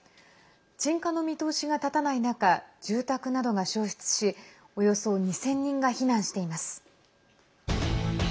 鎮火の見通しが立たない中住宅などが焼失しおよそ２０００人が避難しています。